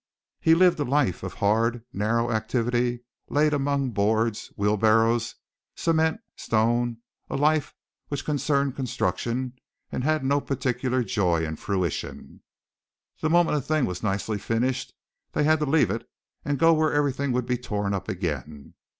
He lived a life of hard, narrow activity laid among boards, wheelbarrows, cement, stone, a life which concerned construction and had no particular joy in fruition. The moment a thing was nicely finished they had to leave it and go where everything would be torn up again.